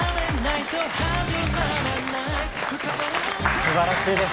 すばらしいです！